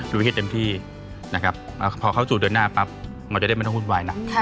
รวมให้เต็มที่นะครับพอเข้าสู่เดือนหน้าปั๊บมันจะได้มาทั้งหุ้นวายนะ